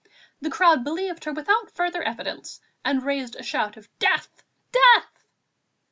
The crowd believed her without further evidence and raised a shout of "Death! death!"